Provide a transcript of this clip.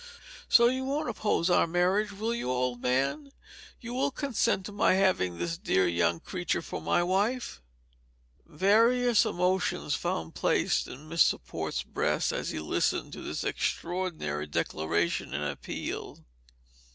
"So you won't oppose our marriage, will you, old man? You will consent to my having this dear young creature for my wife?" Various emotions found place in Mr. Port's breast as he listened to this extraordinary declaration and appeal.